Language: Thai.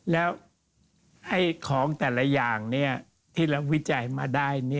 แล้วของแต่ละอย่างที่เราวิจัยมาได้